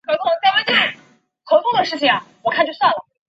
次年任万安县知县。